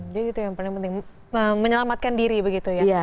jadi itu yang paling penting menyelamatkan diri begitu ya